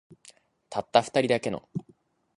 たった二人だけの